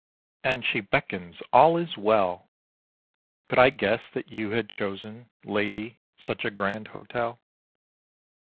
And she beckons all is well! Could I guess that you had chosen, Lady, such a grand hotel?